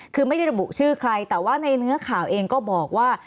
คือไม่ได้ระบุชื่อใครแต่ว่าในเนื้อข่าวเองก็บอกว่า